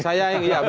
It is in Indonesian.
saya yang mulai